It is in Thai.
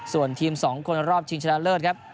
ส่วนทีม๒คนรอบชิงชนะเลิศครับ